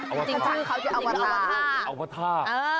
อัวกอาวัตา